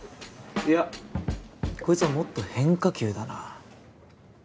いやこいつはもっと変化球だな。